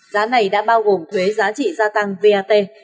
giá này đã bao gồm thuế giá trị gia tăng vat